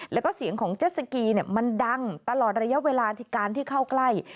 แล้วก็เสียงของเจ็ดสกีมันดังตลอดระยะเวลาที่การที่เข้าใกล้